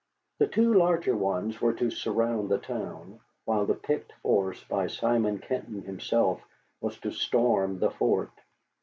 The two larger ones were to surround the town, while the picked force under Simon Kenton himself was to storm the fort.